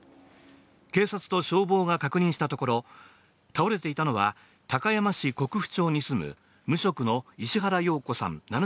警察と消防が確認したところ、倒れていたのは高山市国府町に住む無職の石原洋子さん